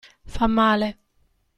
Fa male.